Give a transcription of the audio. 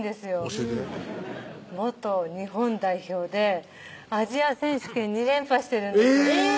教えて元日本代表でアジア選手権２連覇してるんですえぇ！